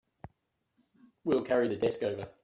We'll carry the desk over.